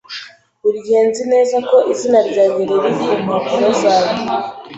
Buri gihe nzi neza ko izina ryanjye riri ku mpapuro zanjye.